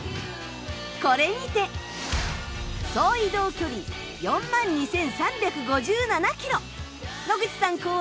これにて総移動距離４万２３５７キロ野口さん考案！